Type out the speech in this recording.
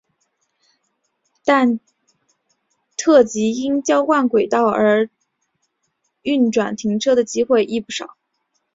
但特急因交换轨道而运转停车的机会亦不少。